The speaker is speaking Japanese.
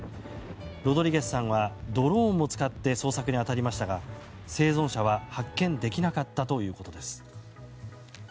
ロドリゲスさんはドローンを使って捜索に当たりましたが生存者は発見できなかったということです。